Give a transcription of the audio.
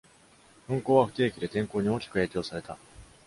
運航は不定期で、天候に大きく影響された。